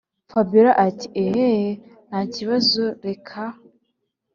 fabiora ati “eehhh ntakibazo reka